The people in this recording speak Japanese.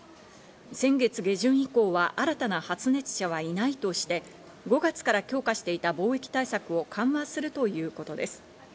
先月下旬以降は新たな発熱者はいないとして、５月から強化していた防疫対策を緩和するということです。